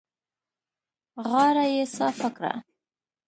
غاړه يې صافه کړه.